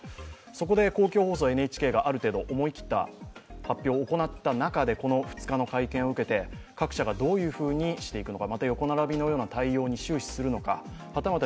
そこで公共放送・ＮＨＫがある程度、思い切った発表を行った中でこの２日の会見を受けて各社がどういうふうにしていくのか。